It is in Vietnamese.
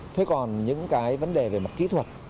thế còn những cái vấn đề về mặt kỹ thuật